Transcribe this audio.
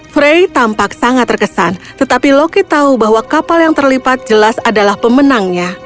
frey tampak sangat terkesan tetapi loki tahu bahwa kapal yang terlipat jelas adalah pemenangnya